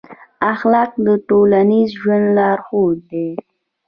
اخلاق د ټولنیز ژوند لارښود دی.